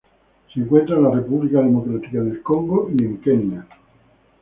Se encuentra en la República Democrática del Congo y Kenia.